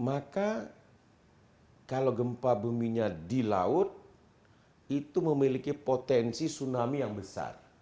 maka kalau gempa buminya di laut itu memiliki potensi tsunami yang besar